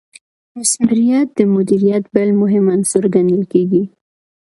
مثمریت د مدیریت بل مهم عنصر ګڼل کیږي.